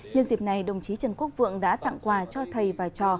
nhân dịp này đồng chí trần quốc vượng đã tặng quà cho thầy và trò